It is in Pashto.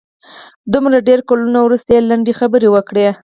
د دومره ډېرو کلونو وروسته یې لنډې خبرې وکړې.